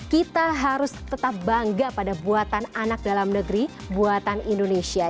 kita harus tetap bangga pada buatan anak dalam negeri buatan indonesia